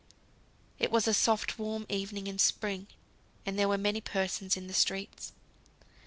It was a warm soft evening in spring, and there were many persons in the streets.